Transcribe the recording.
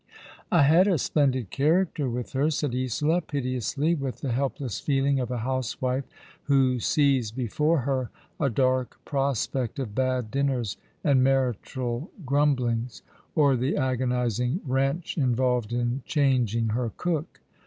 "I had a splendid character with her," said Isola, piteously, with the helpless feeling of a housewife who sees before her a dark i^rospect of bad dinners and marital grumblings, or the agonizing wrench involved in changing her cook.